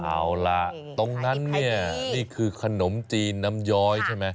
เอาล่ะตรงนั้นเนี่ยนี่คือขนมจีนน้ำย้อยใช่ไหม